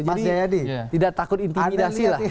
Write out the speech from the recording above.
jadi tidak takut intimidasi lah